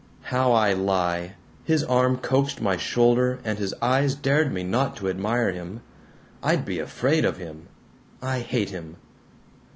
... How I lie! His arm coaxed my shoulder and his eyes dared me not to admire him. I'd be afraid of him. I hate him!